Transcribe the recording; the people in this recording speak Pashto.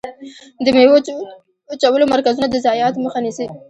د ميوو وچولو مرکزونه د ضایعاتو مخه نیسي.